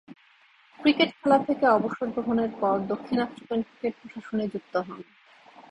Cricket খেলা থেকে অবসর গ্রহণের পর দক্ষিণ আফ্রিকান ক্রিকেট প্রশাসনে যুক্ত হন।